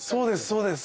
そうです